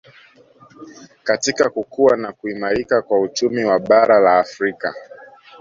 katika kukua na kuimarika kwa uchumi wa bara la Afrika